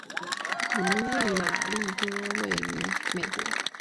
蒙哥马利是位于美国加利福尼亚州门多西诺县的一个非建制地区。